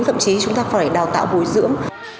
thậm chí chúng ta phải đào tạo bồi dưỡng